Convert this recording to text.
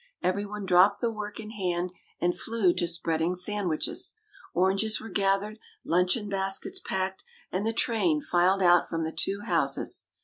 Every one dropped the work in hand, and flew to spreading sandwiches. Oranges were gathered, luncheon baskets packed; and the train filed out from the two houses.